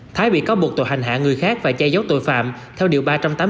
thái bị cáo buộc tội hành hạ người khác và che giấu tội phạm theo điều ba trăm tám mươi tám